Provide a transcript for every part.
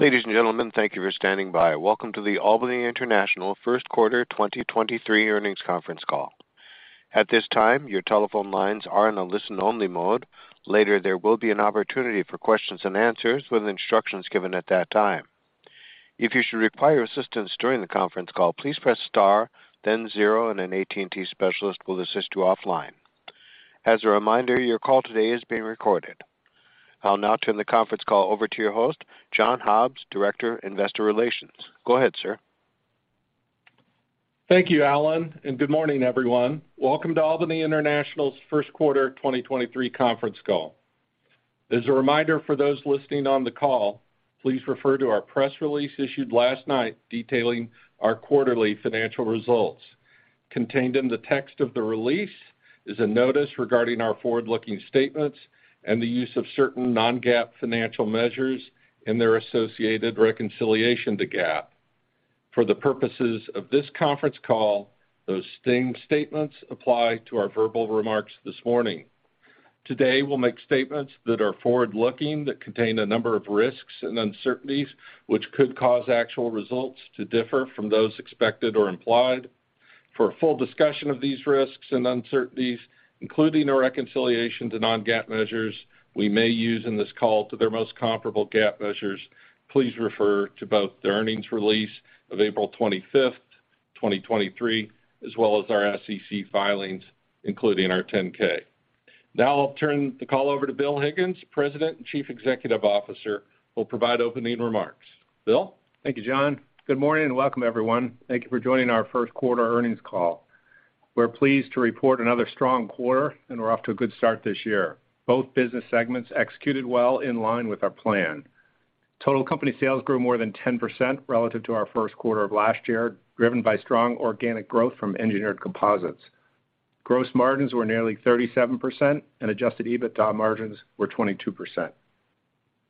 Ladies and gentlemen, thank you for standing by. Welcome to the Albany International first quarter 2023 earnings conference call. At this time, your telephone lines are in a listen-only mode. Later, there will be an opportunity for questions and answers with instructions given at that time. If you should require assistance during the conference call, please press star then zero, and an AT&T specialist will assist you offline. As a reminder, your call today is being recorded. I'll now turn the conference call over to your host, John Hobbs, Director, Investor Relations. Go ahead, sir. Thank you, Alan, and good morning, everyone. Welcome to Albany International's first quarter 2023 conference call. As a reminder for those listening on the call, please refer to our press release issued last night detailing our quarterly financial results. Contained in the text of the release is a notice regarding our forward-looking statements and the use of certain non-GAAP financial measures and their associated reconciliation to GAAP. For the purposes of this conference call, those same statements apply to our verbal remarks this morning. Today, we'll make statements that are forward-looking that contain a number of risks and uncertainties which could cause actual results to differ from those expected or implied. For a full discussion of these risks and uncertainties, including a reconciliation to non-GAAP measures we may use in this call to their most comparable GAAP measures, please refer to both the earnings release of April 25th, 2023, as well as our SEC filings, including our 10-K. I'll turn the call over to Bill Higgins, President and Chief Executive Officer, who will provide opening remarks. Bill? Thank you, John. Good morning, and welcome, everyone. Thank you for joining our first quarter earnings call. We're pleased to report another strong quarter, and we're off to a good start this year. Both business segments executed well in line with our plan. Total company sales grew more than 10% relative to our first quarter of last year, driven by strong organic growth from Engineered Composites. Gross margins were nearly 37%, and adjusted EBITDA margins were 22%.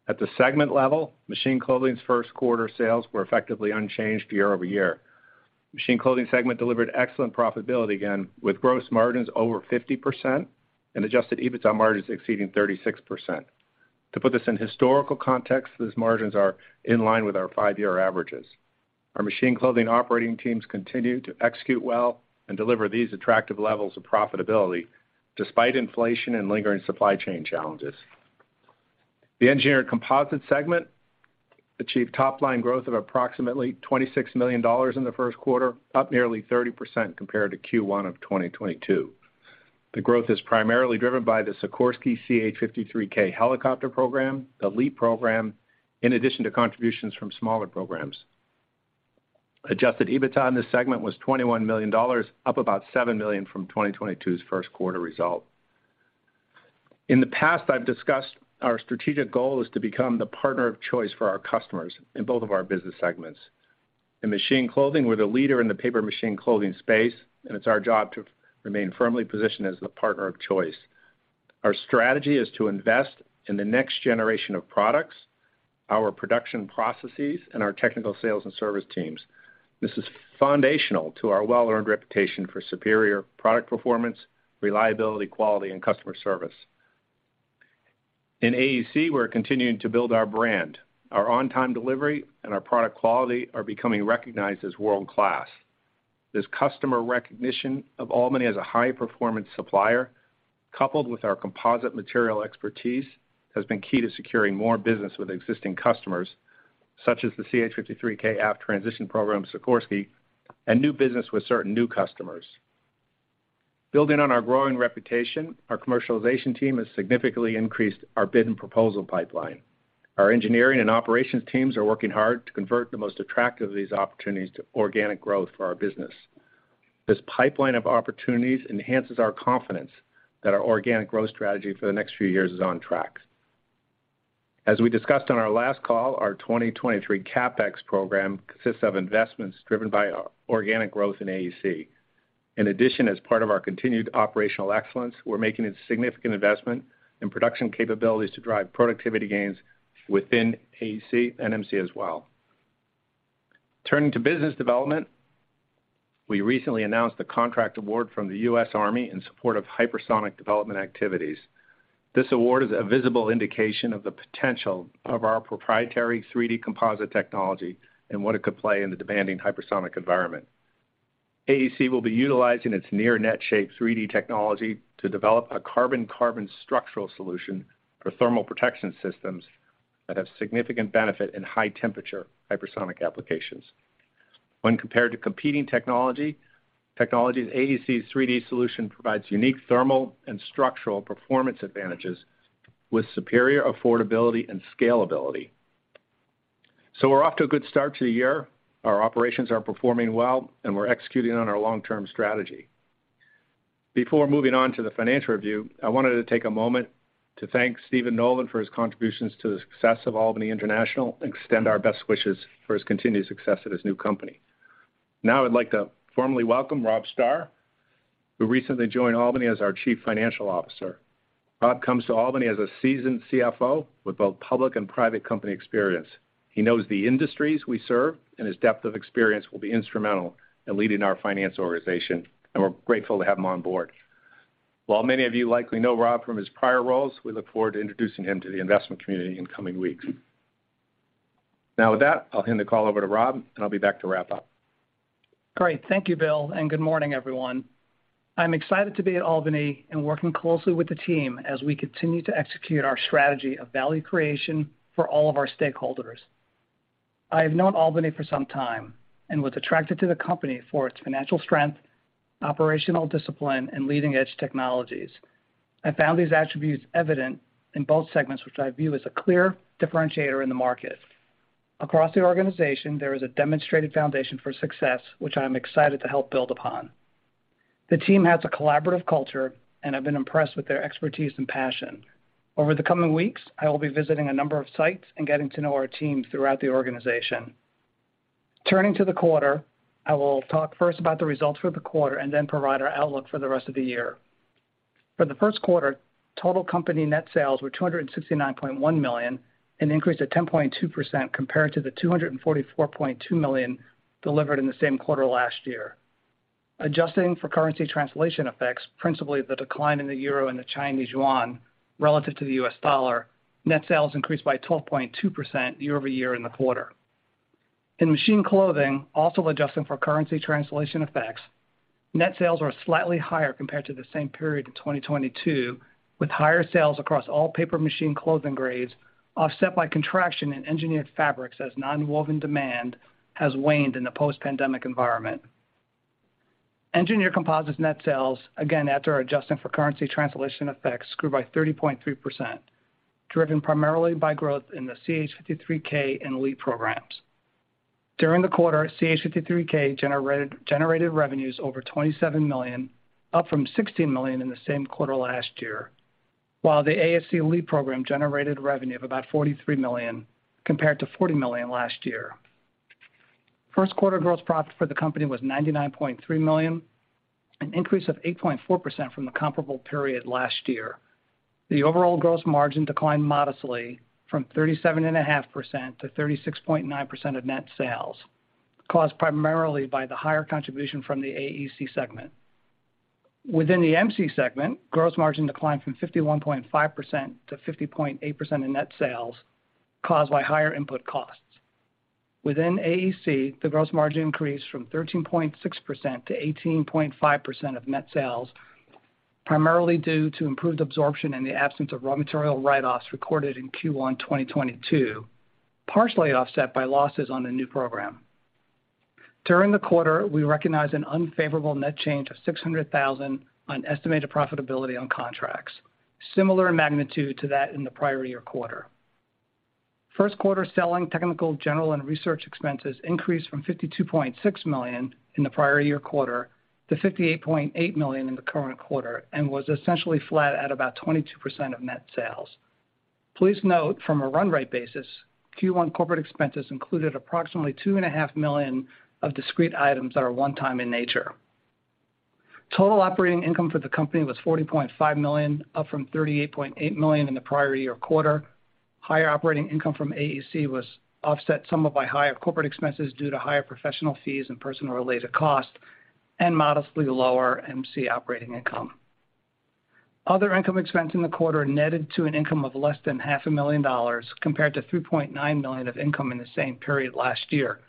At the segment level, Machine Clothing's first quarter sales were effectively unchanged year-over-year. Machine Clothing segment delivered excellent profitability again, with gross margins over 50% and adjusted EBITDA margins exceeding 36%. To put this in historical context, those margins are in line with our five-year averages. Our Machine Clothing operating teams continue to execute well and deliver these attractive levels of profitability despite inflation and lingering supply chain challenges. The Engineered Composites segment achieved top-line growth of approximately $26 million in the first quarter, up nearly 30% compared to Q1 of 2022. The growth is primarily driven by the Sikorsky CH-53K Helicopter program, the LEAP program, in addition to contributions from smaller programs. Adjusted EBITDA in this segment was $21 million, up about $7 million from 2022's first quarter result. In the past, I've discussed our strategic goal is to become the partner of choice for our customers in both of our business segments. In Machine Clothing, we're the leader in the paper machine clothing space, and it's our job to remain firmly positioned as the partner of choice. Our strategy is to invest in the next generation of products, our production processes, and our technical sales and service teams. This is foundational to our well earned reputation for superior product performance, reliability, quality, and customer service. In AEC, we're continuing to build our brand. Our on-time delivery and our product quality are becoming recognized as world-class. This customer recognition of Albany as a high-performance supplier, coupled with our composite material expertise, has been key to securing more business with existing customers, such as the CH-53K Aft Transition program, Sikorsky, and new business with certain new customers. Building on our growing reputation, our commercialization team has significantly increased our bid and proposal pipeline. Our engineering and operations teams are working hard to convert the most attractive of these opportunities to organic growth for our business. This pipeline of opportunities enhances our confidence that our organic growth strategy for the next few years is on track. As we discussed on our last call, our 2023 CapEx program consists of investments driven by organic growth in AEC. In addition, as part of our continued operational excellence, we're making a significant investment in production capabilities to drive productivity gains within AEC and MC as well. Turning to business development, we recently announced a contract award from the U.S. Army in support of hypersonic development activities. This award is a visible indication of the potential of our proprietary 3D composites technology and what it could play in the demanding hypersonic environment. AEC will be utilizing its near-net shape 3D technology to develop a carbon-carbon structural solution for thermal protection systems that have significant benefit in high temperature hypersonic applications. When compared to competing technologies, AEC's 3D solution provides unique thermal and structural performance advantages with superior affordability and scalability. We're off to a good start to the year. Our operations are performing well, and we're executing on our long-term strategy. Before moving on to the financial review, I wanted to take a moment to thank Stephen Nolan for his contributions to the success of Albany International and extend our best wishes for his continued success at his new company. Now I'd like to formally welcome Rob Starr, who recently joined Albany as our Chief Financial Officer. Rob comes to Albany as a seasoned CFO with both public and private company experience. He knows the industries we serve, and his depth of experience will be instrumental in leading our finance organization, and we're grateful to have him on board. While many of you likely know Rob from his prior roles, we look forward to introducing him to the investment community in coming weeks. Now with that, I'll hand the call over to Rob, and I'll be back to wrap up. Great. Thank you, Bill. Good morning, everyone. I'm excited to be at Albany and working closely with the team as we continue to execute our strategy of value creation for all of our stakeholders. I have known Albany for some time and was attracted to the company for its financial strength, operational discipline, and leading-edge technologies. I found these attributes evident in both segments which I view as a clear differentiator in the market. Across the organization, there is a demonstrated foundation for success, which I am excited to help build upon. The team has a collaborative culture, and I've been impressed with their expertise and passion. Over the coming weeks, I will be visiting a number of sites and getting to know our team throughout the organization. Turning to the quarter, I will talk first about the results for the quarter and then provide our outlook for the rest of the year. For the first quarter, total company net sales were $269.1 million, an increase of 10.2% compared to the $244.2 million delivered in the same quarter last year. Adjusting for currency translation effects, principally the decline in the euro and the Chinese yuan relative to the U.S. dollar, net sales increased by 12.2% year-over-year in the quarter. In Machine Clothing, also adjusting for currency translation effects, net sales are slightly higher compared to the same period in 2022, with higher sales across all paper machine clothing grades offset by contraction in engineered fabrics as nonwoven demand has waned in the post-pandemic environment. Engineered Composites net sales, again, after adjusting for currency translation effects, grew by 30.3%, driven primarily by growth in the CH-53K and LEAP programs. During the quarter, CH-53K generated revenues over $27 million, up from $16 million in the same quarter last year, while the AEC LEAP program generated revenue of about $43 million compared to $40 million last year. First quarter gross profit for the company was $99.3 million, an increase of 8.4% from the comparable period last year. The overall gross margin declined modestly from 37.5% to 36.9% of net sales, caused primarily by the higher contribution from the AEC segment. Within the MC segment, gross margin declined from 51.5% to 50.8% of net sales, caused by higher input costs. Within AEC, the gross margin increased from 13.6% to 18.5% of net sales, primarily due to improved absorption in the absence of raw material write-offs recorded in Q1 2022, partially offset by losses on a new program. During the quarter, we recognized an unfavorable net change of $600,000 on estimated profitability on contracts, similar in magnitude to that in the prior year-quarter. First quarter selling, technical, general, and research expenses increased from $52.6 million in the prior year-quarter to $58.8 million in the current quarter and was essentially flat at about 22% of net sales. Please note, from a run rate basis, Q1 corporate expenses included approximately $2.5 million of discrete items that are one-time in nature. Total operating income for the company was $40.5 million, up from $38.8 million in the prior year-quarter. Higher operating income from AEC was offset somewhat by higher corporate expenses due to higher professional fees and personnel related costs and modestly lower MC operating income. Other income expense in the quarter netted to an income of less than half a million dollars, compared to $3.9 million of income in the same period last year.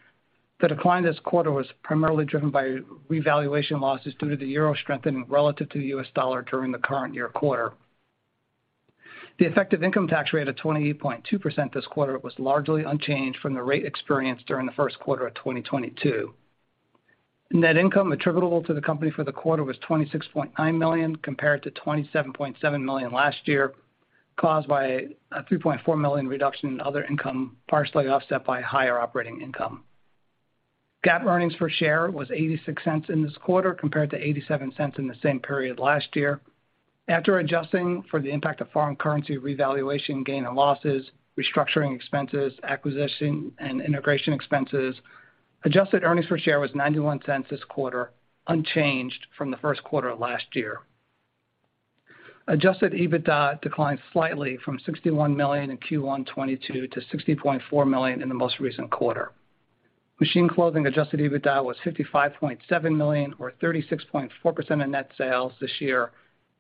The decline this quarter was primarily driven by revaluation losses due to the euro strengthening relative to the U.S. dollar during the current year-quarter. The effective income tax rate of 28.2% this quarter was largely unchanged from the rate experienced during the first quarter of 2022. Net income attributable to the company for the quarter was $26.9 million, compared to $27.7 million last year, caused by a $3.4 million reduction in other income, partially offset by higher operating income. GAAP earnings per share was $0.86 in this quarter, compared to $0.87 in the same period last year. After adjusting for the impact of foreign currency revaluation gain and losses, restructuring expenses, acquisition and integration expenses, adjusted earnings per share was $0.91 this quarter, unchanged from the first quarter of last year. Adjusted EBITDA declined slightly from $61 million in Q1 2022 to $60.4 million in the most recent quarter. Machine Clothing adjusted EBITDA was $55.7 million or 36.4% of net sales this year,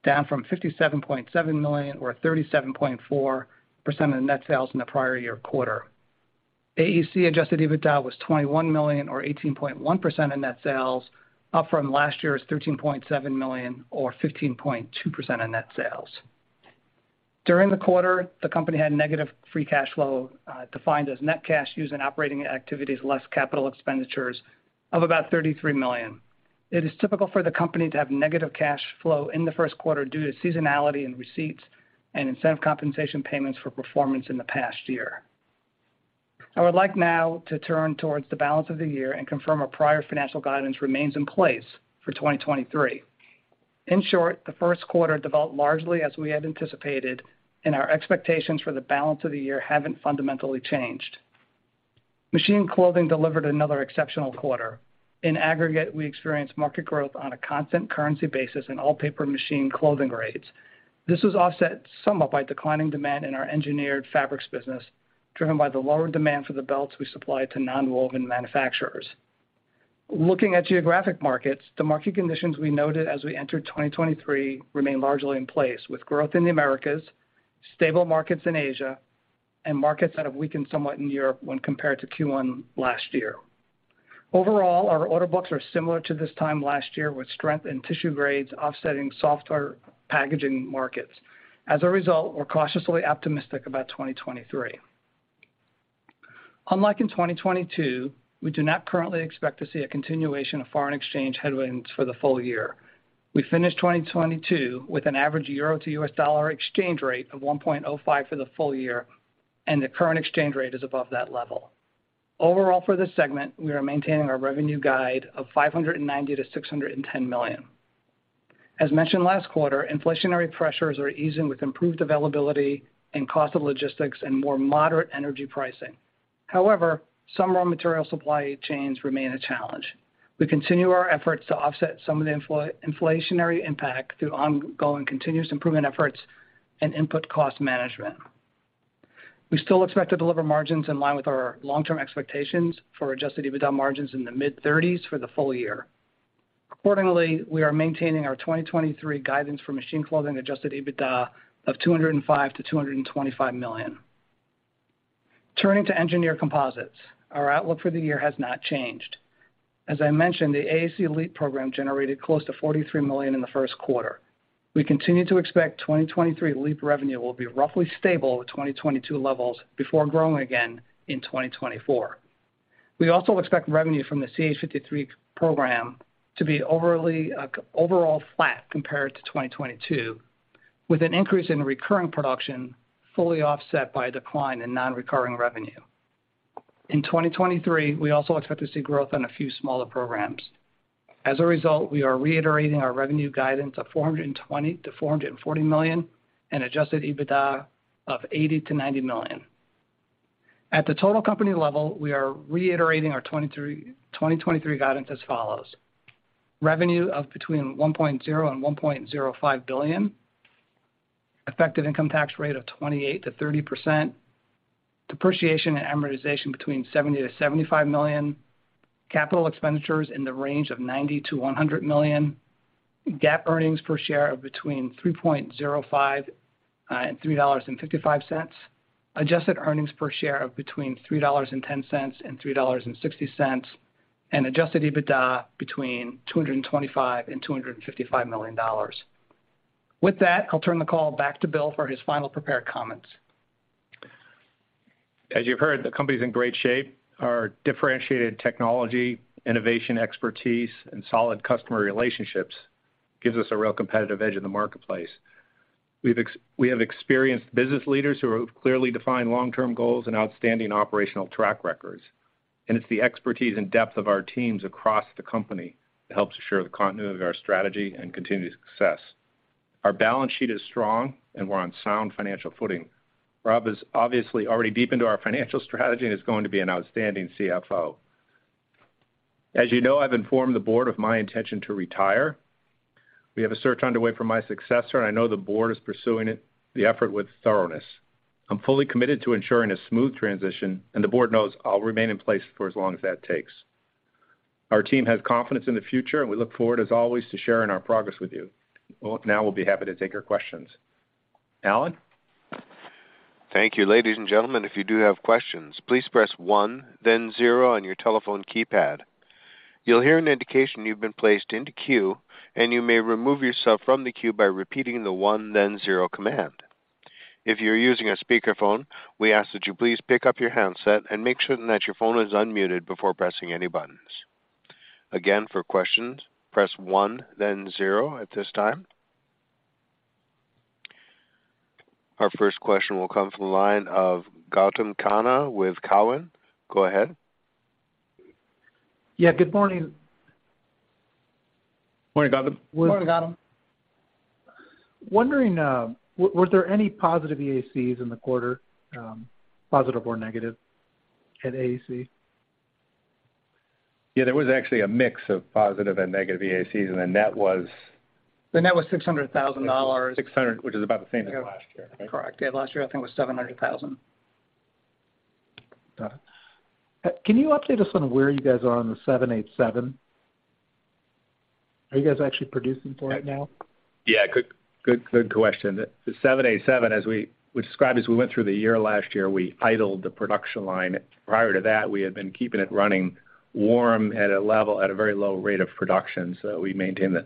down from $57.7 million or 37.4% of net sales in the prior year-quarter. AEC adjusted EBITDA was $21 million or 18.1% of net sales, up from last year's $13.7 million or 15.2% of net sales. During the quarter, the company had negative free cash flow, defined as net cash used in operating activities, less capital expenditures of about $33 million. It is typical for the company to have negative cash flow in the first quarter due to seasonality in receipts and incentive compensation payments for performance in the past year. I would like now to turn towards the balance of the year and confirm our prior financial guidance remains in place for 2023. In short, the first quarter developed largely as we had anticipated, and our expectations for the balance of the year haven't fundamentally changed. Machine Clothing delivered another exceptional quarter. In aggregate, we experienced market growth on a constant currency basis in all paper machine clothing grades. This was offset somewhat by declining demand in our engineered fabrics business, driven by the lower demand for the belts we supply to nonwoven manufacturers. Looking at geographic markets, the market conditions we noted as we entered 2023 remain largely in place, with growth in the Americas, stable markets in Asia, and markets that have weakened somewhat in Europe when compared to Q1 last year. Overall, our order books are similar to this time last year, with strength in tissue grades offsetting softer packaging markets. As a result, we're cautiously optimistic about 2023. Unlike in 2022, we do not currently expect to see a continuation of foreign exchange headwinds for the full-year. We finished 2022 with an average euro to U.S. dollar exchange rate of 1.05 for the full-year, and the current exchange rate is above that level. Overall for this segment, we are maintaining our revenue guide of $590 million-$610 million. As mentioned last quarter, inflationary pressures are easing with improved availability and cost of logistics and more moderate energy pricing. However, some raw material supply chains remain a challenge. We continue our efforts to offset some of the inflationary impact through ongoing continuous improvement efforts and input cost management. We still expect to deliver margins in line with our long-term expectations for adjusted EBITDA margins in the mid-30s for the full-year. Accordingly, we are maintaining our 2023 guidance for Machine Clothing adjusted EBITDA of $205 million-$225 million. Turning to Engineered Composites, our outlook for the year has not changed. As I mentioned, the AEC LEAP program generated close to $43 million in the first quarter. We continue to expect 2023 LEAP revenue will be roughly stable with 2022 levels before growing again in 2024. We also expect revenue from the CH53 program to be overly overall flat compared to 2022, with an increase in recurring production fully offset by a decline in non-recurring revenue. In 2023, we also expect to see growth on a few smaller programs. As a result, we are reiterating our revenue guidance of $420 million-$440 million and adjusted EBITDA of $80 million-$90 million. At the total company level, we are reiterating our 2023 guidance as follows: revenue of between $1.0 billion and $1.05 billion, effective income tax rate of 28%-30%, depreciation and amortization between $70 million-$75 million, capital expenditures in the range of $90 million-$100 million, GAAP earnings per share of between $3.05 and $3.55, adjusted earnings per share of between $3.10 and $3.60, adjusted EBITDA between $225 million and $255 million. With that, I'll turn the call back to Bill for his final prepared comments. As you've heard, the company's in great shape. Our differentiated technology, innovation expertise, and solid customer relationships gives us a real competitive edge in the marketplace. We have experienced business leaders who have clearly defined long-term goals and outstanding operational track records. It's the expertise and depth of our teams across the company that helps assure the continuity of our strategy and continued success. Our balance sheet is strong. We're on sound financial footing. Rob is obviously already deep into our financial strategy and is going to be an outstanding CFO. As you know, I've informed the board of my intention to retire. We have a search underway for my successor. I know the board is pursuing it, the effort with thoroughness. I'm fully committed to ensuring a smooth transition. The board knows I'll remain in place for as long as that takes. Our team has confidence in the future, and we look forward, as always, to sharing our progress with you. Well, now we'll be happy to take your questions. Alan? Thank you. Ladies and gentlemen, if you do have questions, please press one then zero on your telephone keypad. You'll hear an indication you've been placed into queue, and you may remove yourself from the queue by repeating the one then zero command. If you're using a speakerphone, we ask that you please pick up your handset and make certain that your phone is unmuted before pressing any buttons. Again, for questions, press one then zero at this time. Our first question will come from the line of Gautam Khanna with Cowen. Go ahead. Yeah, good morning. Morning, Gautam. Morning, Gautam. Wondering, was there any positive EACs in the quarter, positive or negative at AEC? Yeah, there was actually a mix of positive and negative EACs, and the net was. The net was $600,000. $600,000, which is about the same as last year. Correct. Yeah, last year I think it was $700,000. Got it. Can you update us on where you guys are on the 787? Are you guys actually producing for it now? Yeah. Good question. The 787, as we described as we went through the year last year, we idled the production line. Prior to that, we had been keeping it running warm at a level, at a very low rate of production, so that we maintain the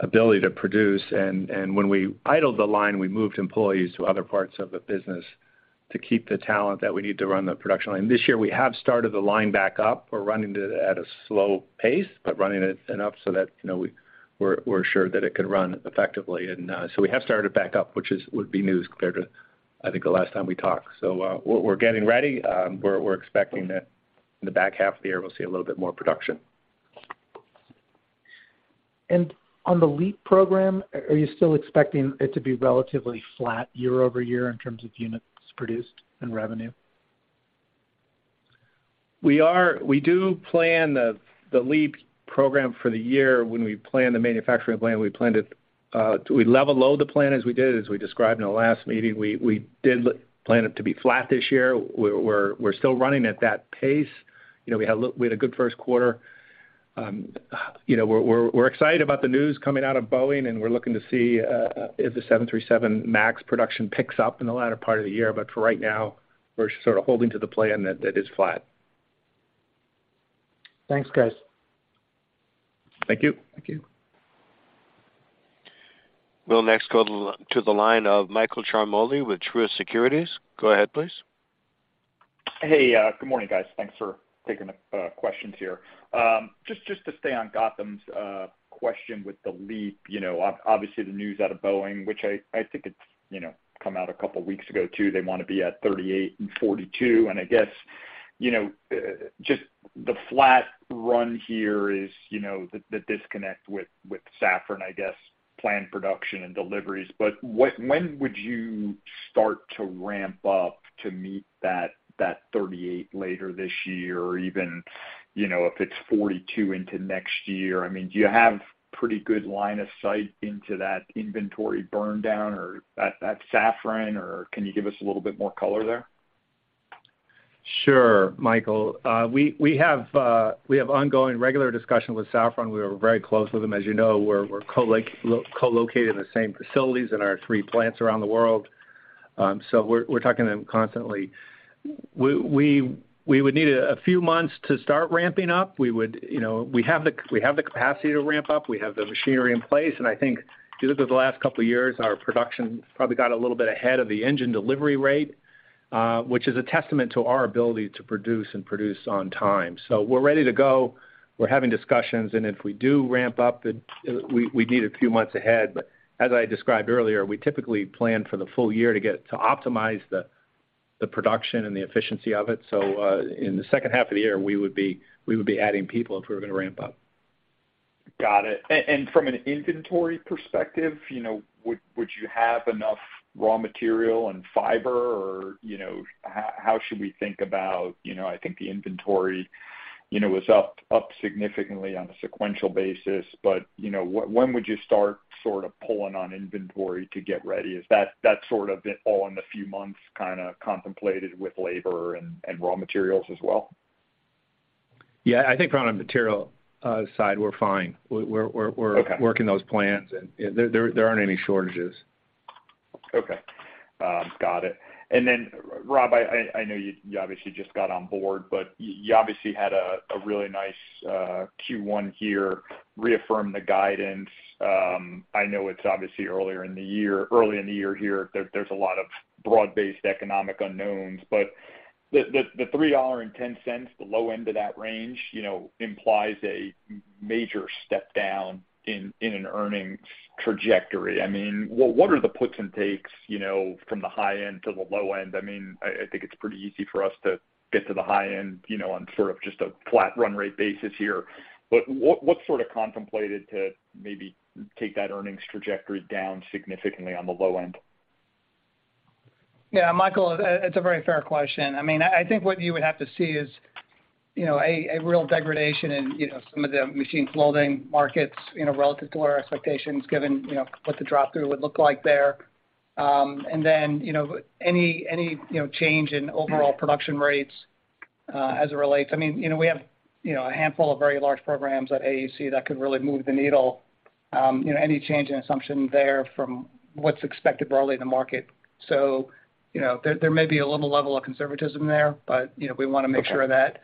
ability to produce. When we idled the line, we moved employees to other parts of the business to keep the talent that we need to run the production line. This year, we have started the line back up. We're running it at a slow pace, but running it enough so that, you know, we're assured that it could run effectively. We have started back up, which is, would be news compared to, I think, the last time we talked. We're getting ready. We're expecting that in the back half of the year we'll see a little bit more production. On the LEAP program, are you still expecting it to be relatively flat year-over-year in terms of units produced and revenue? We are. We do plan the LEAP program for the year. When we plan the manufacturing plan, we planned it. We level load the plan as we did, as we described in the last meeting. We did plan it to be flat this year. We're still running at that pace. You know, we had a good first quarter. You know, we're excited about the news coming out of Boeing, and we're looking to see if the 737 MAX production picks up in the latter part of the year. For right now, we're sort of holding to the plan that is flat. Thanks, guys. Thank you. Thank you. We'll next go to the line of Michael Ciarmoli with Truist Securities. Go ahead, please. Hey, good morning, guys. Thanks for taking the questions here. Just to stay on Gautam's question with the LEAP, you know, obviously, the news out of Boeing, which I think it's, you know, come out a couple weeks ago, too. They wanna be at 38 and 42, and I guess, you know, just the flat run here is, you know, the disconnect with Safran, I guess, planned production and deliveries. When would you start to ramp up to meet that 38 later this year or even, you know, if it's 42 into next year? I mean, do you have pretty good line of sight into that inventory burn down or that Safran, or can you give us a little bit more color there? Sure, Michael. We have ongoing regular discussion with Safran. We are very close with them. As you know, we're co-located in the same facilities in our three plants around the world. We're talking to them constantly. We would need a few months to start ramping up. We would, you know, we have the capacity to ramp up. We have the machinery in place, and I think due to the last couple years, our production probably got a little bit ahead of the engine delivery rate, which is a testament to our ability to produce and produce on time. We're ready to go. We're having discussions, and if we do ramp up, we need a few months ahead. As I described earlier, we typically plan for the full-year to get to optimize the production and the efficiency of it. In the second half of the year, we would be adding people if we were gonna ramp up. Got it. From an inventory perspective, you know, would you have enough raw material and fiber or, you know, how should we think about, you know, I think the inventory, you know, was up significantly on a sequential basis. You know, when would you start sort of pulling on inventory to get ready? Is that sort of all in the few months kind of contemplated with labor and raw materials as well? Yeah. I think from a material side, we're fine. Okay Working those plans and there aren't any shortages. Okay. Got it. Rob, I know you obviously just got on board, but you obviously had a really nice Q1 here, reaffirmed the guidance. I know it's obviously earlier in the year here. There's a lot of broad-based economic unknowns, but the $3.10, the low end of that range, you know, implies a major step down in an earnings trajectory. I mean, what are the puts and takes, you know, from the high end to the low end? I mean, I think it's pretty easy for us to get to the high end, you know, on sort of just a flat run rate basis here. What's sort of contemplated to maybe take that earnings trajectory down significantly on the low end? Yeah, Michael, it's a very fair question. I mean, I think what you would have to see is, you know, a real degradation in, you know, some of the Machine Clothing markets, you know, relative to our expectations, given, you know, what the drop-through would look like there. You know, any change in overall production rates, as it relates. I mean, you know, we have, you know, a handful of very large programs at AEC that could really move the needle. You know, any change in assumption there from what's expected broadly in the market. You know, there may be a little level of conservatism there, but, you know, we wanna make sure that,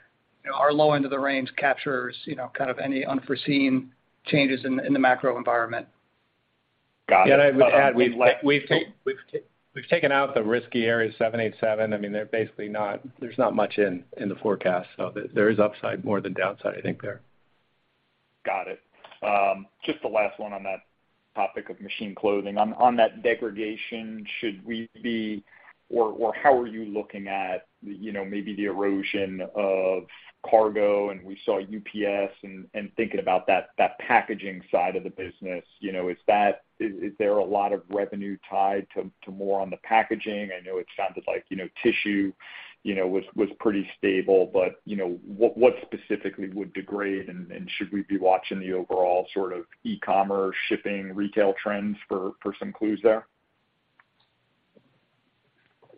you know, our low end of the range captures, you know, kind of any unforeseen changes in the macro environment. Got it. I would add we've taken out the risky areas, 787. I mean, they're basically not much in the forecast. There is upside more than downside, I think there. Got it. Just the last one on that topic of Machine Clothing. On that degradation, should we be or how are you looking at, you know, maybe the erosion of cargo, and we saw UPS and thinking about that packaging side of the business. You know, is there a lot of revenue tied to more on the packaging? I know it sounded like, you know, tissue, you know, was pretty stable, but, you know, what specifically would degrade? Should we be watching the overall sort of e-commerce, shipping, retail trends for some clues there?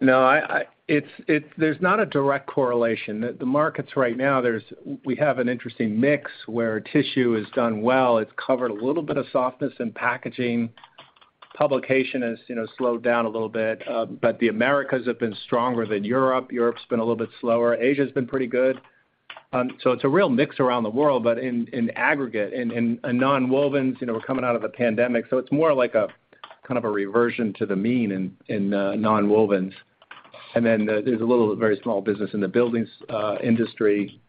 No, I. It's, there's not a direct correlation. The markets right now, we have an interesting mix where tissue has done well. It's covered a little bit of softness in packaging. Publication has, you know, slowed down a little bit. The Americas have been stronger than Europe. Europe's been a little bit slower. Asia's been pretty good. It's a real mix around the world. In aggregate, in nonwovens, you know, we're coming out of a pandemic, it's more like a kind of a reversion to the mean in nonwovens. There's a little, very small business in the buildings industry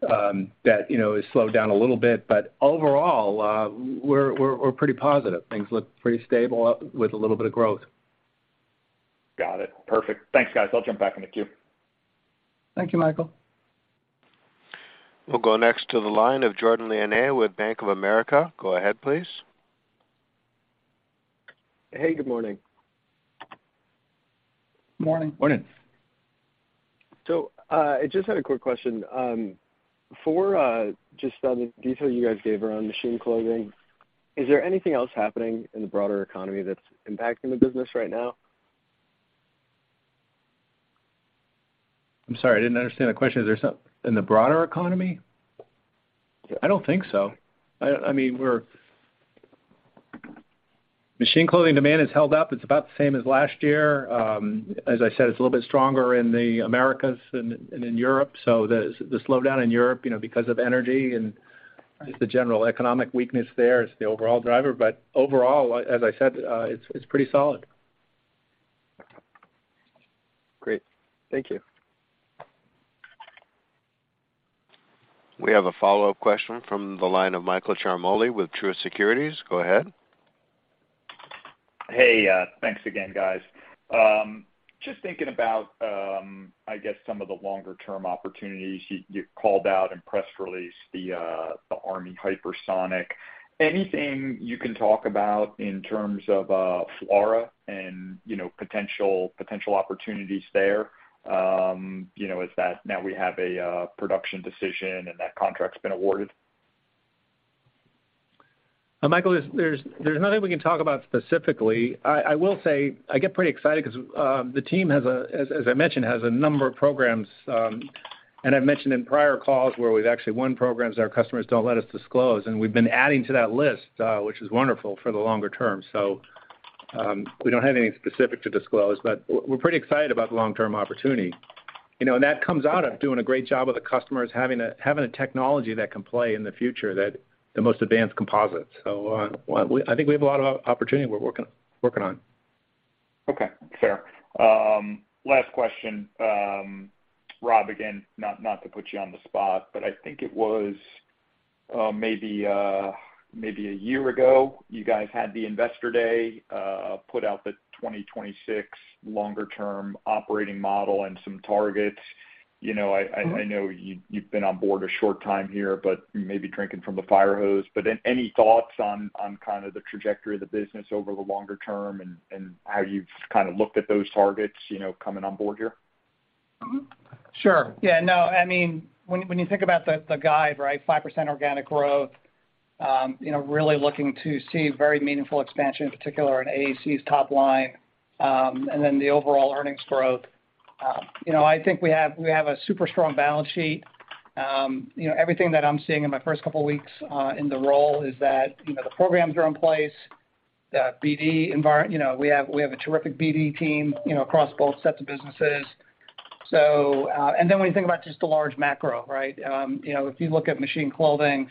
that, you know, has slowed down a little bit. Overall, we're pretty positive. Things look pretty stable with a little bit of growth. Got it. Perfect. Thanks, guys. I'll jump back in the queue. Thank you, Michael. We'll go next to the line of Jordan Lyonnais with Bank of America. Go ahead, please. Hey, good morning. Morning. Morning. I just had a quick question. For just on the detail you guys gave around Machine Clothing, is there anything else happening in the broader economy that's impacting the business right now? I'm sorry, I didn't understand the question. Is there something, in the broader economy? I don't think so. I mean, we're. Machine Clothing demand has held up. It's about the same as last year. As I said, it's a little bit stronger in the Americas than in Europe. The, the slowdown in Europe, you know, because of energy and just the general economic weakness there is the overall driver. Overall, as I said, it's pretty solid. Great. Thank you. We have a follow-up question from the line of Michael Ciarmoli with Truist Securities. Go ahead. Hey, thanks again, guys. Just thinking about, I guess, some of the longer term opportunities. You called out in press release the Army Hypersonic. Anything you can talk about in terms of FLRAA and, you know, potential opportunities there, you know, as that now we have a production decision and that contract's been awarded? Michael, there's nothing we can talk about specifically. I will say I get pretty excited 'cause the team, as I mentioned, has a number of programs, and I've mentioned in prior calls where we've actually won programs our customers don't let us disclose, and we've been adding to that list, which is wonderful for the longer term. We don't have any specific to disclose, but we're pretty excited about the long-term opportunity. You know, that comes out of doing a great job with the customers, having a technology that can play in the future that the most advanced composites. I think we have a lot of opportunity we're working on. Okay. Fair. Last question. Rob, again, not to put you on the spot, but I think it was maybe a year ago, you guys had the Investor Day, put out the 2026 longer term operating model and some targets. Mm-hmm. I know you've been on board a short time here, maybe drinking from the fire hose. Any thoughts on kind of the trajectory of the business over the longer term and how you've kind of looked at those targets, you know, coming on board here? Sure. Yeah, no, I mean, when you think about the guide, right, 5% organic growth, you know, really looking to see very meaningful expansion, in particular in AEC's top line, and then the overall earnings growth. You know, I think we have a super strong balance sheet. You know, everything that I'm seeing in my first couple weeks in the role is that, you know, the programs are in place. The BD environment, you know, we have a terrific BD team, you know, across both sets of businesses. And then when you think about just the large macro, right? You know, if you look at Machine Clothing,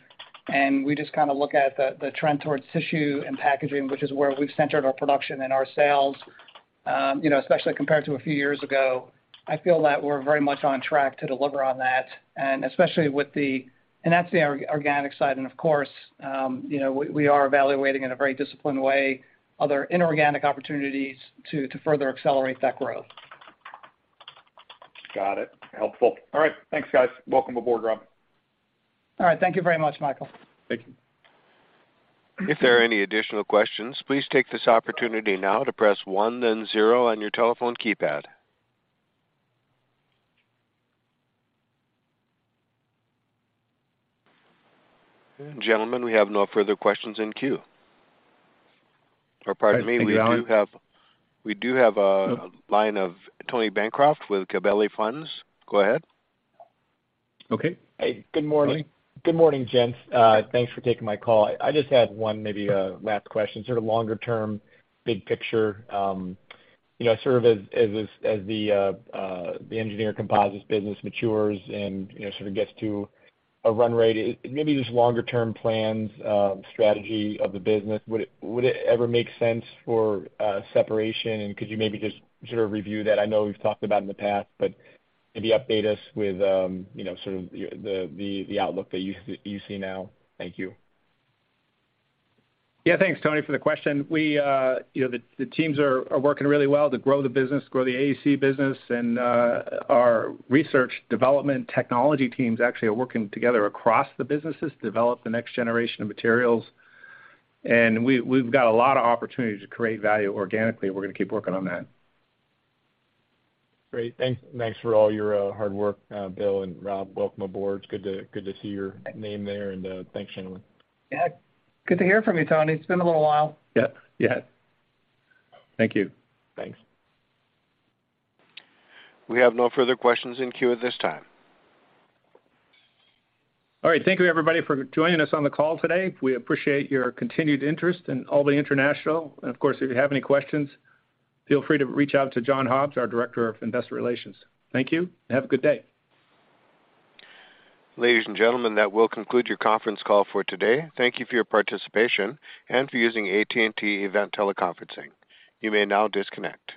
and we just kinda look at the trend towards tissue and packaging, which is where we've centered our production and our sales, you know, especially compared to a few years ago, I feel that we're very much on track to deliver on that. Especially with the. That's the organic side and of course, you know, we are evaluating in a very disciplined way other inorganic opportunities to further accelerate that growth. Got it. Helpful. All right. Thanks, guys. Welcome aboard, Rob. All right. Thank you very much, Michael. Thank you. If there are any additional questions, please take this opportunity now to press one then zero on your telephone keypad. Gentlemen, we have no further questions in queue. Pardon me. Thanks. Thank you, Alan. We do have a line of Tony Bancroft with Gabelli Funds. Go ahead. Okay. Hey, good morning. Good morning, gents. Thanks for taking my call. I just had one maybe, last question, sort of longer term, big picture. You know, sort of as the Engineered Composites business matures and, you know, sort of gets to a run rate, maybe just longer term plans, strategy of the business, would it ever make sense for separation? Could you maybe just sort of review that? I know we've talked about in the past, but maybe update us with, you know, sort of your, the outlook that you see now. Thank you. Yeah, thanks, Tony, for the question. We, you know, the teams are working really well to grow the business, the AEC business. Our Research Development Technology teams actually are working together across the businesses to develop the next generation of materials. We've got a lot of opportunity to create value organically. We're gonna keep working on that. Great. Thanks for all your hard work, Bill and Rob. Welcome aboard. It's good to see your name there and, thanks, gentlemen. Yeah. Good to hear from you, Tony. It's been a little while. Yep. Yeah. Thank you. Thanks. We have no further questions in queue at this time. All right. Thank you everybody for joining us on the call today. We appreciate your continued interest in Albany International. Of course, if you have any questions, feel free to reach out to John Hobbs, our Director of Investor Relations. Thank you. Have a good day. Ladies and gentlemen, that will conclude your conference call for today. Thank you for your participation and for using AT&T Event Teleconferencing. You may now disconnect.